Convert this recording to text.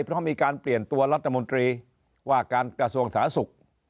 เพราะมีการเปลี่ยนตัวรัฐบาลคอสว่าการกศสาธารณ์ศูกร์